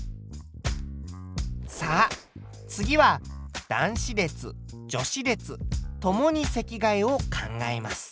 さあ次は男子列・女子列共に席替えを考えます。